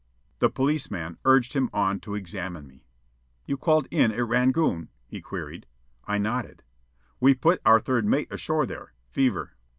The policeman urged him on to examine me. "You called in at Rangoon?" he queried. I nodded. "We put our third mate ashore there. Fever."